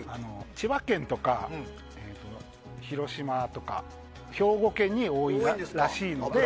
千葉県とか広島とか兵庫県に多いらしいので。